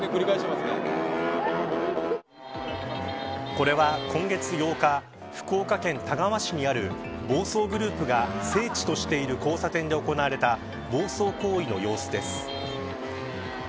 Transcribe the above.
これは今月８日福岡県田川市にある暴走グループが聖地としている交差点で行われた暴走行為の様子です。